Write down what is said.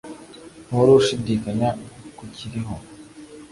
uhore ushidikanya ko ukiriho.